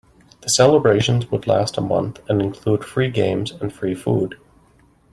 The celebrations would last a month and include free games and free food.